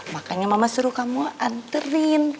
makanya mama suruh kamu anterin